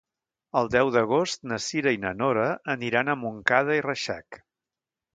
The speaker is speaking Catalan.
El deu d'agost na Cira i na Nora aniran a Montcada i Reixac.